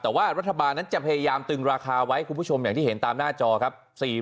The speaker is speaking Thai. แต่ว่ารัฐบาลนั้นจะพยายามตึงราคาไว้คุณผู้ชมอย่างที่เห็นตามหน้าจอครับ